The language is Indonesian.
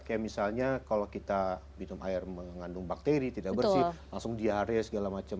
kayak misalnya kalau kita minum air mengandung bakteri tidak bersih langsung diare segala macam